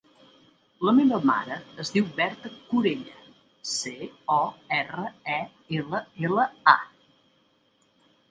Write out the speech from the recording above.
La meva mare es diu Berta Corella: ce, o, erra, e, ela, ela, a.